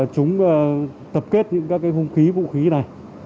chúng tập kết những hông khí vũ khí này